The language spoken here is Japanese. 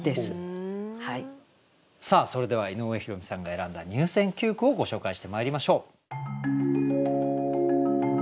さあそれでは井上弘美さんが選んだ入選九句をご紹介してまいりましょう。